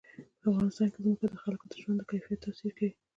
په افغانستان کې ځمکه د خلکو د ژوند په کیفیت تاثیر کوي.